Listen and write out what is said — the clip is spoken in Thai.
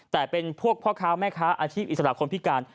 แต่เป็นพวกพ่อค้าแม่ค้าอาชีพอิสระคนพิการ